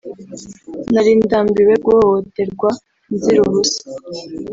nari ndambiwe guhohoterwa nzira ubusa